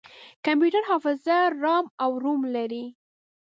کمپیوټر حافظه رام او روم لري.